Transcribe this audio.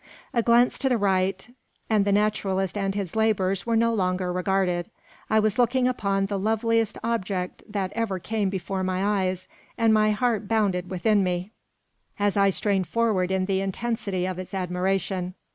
A glance to the right, and the naturalist and his labours were no longer regarded. I was looking upon the loveliest object that ever came before my eyes, and my heart bounded within me, as I strained forward in the intensity of its admiration.